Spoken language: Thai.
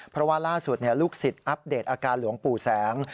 เพราะว่าล่าสุดลูกศิษย์อัปเดตอาการหลวงปู่แสง